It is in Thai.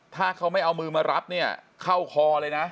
ถ้าเขาไม่เอามือมารับเนี่ยเข้าคอเลยนะ